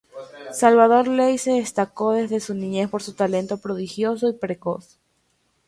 Salvador Ley se destacó desde su niñez por su talento prodigioso y precoz.